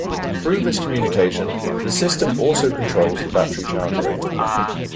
Through this communication, the system also controls the battery charge rate.